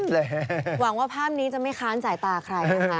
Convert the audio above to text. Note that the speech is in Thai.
หวังว่าภาพนี้จะไม่ค้านสายตาใครนะคะ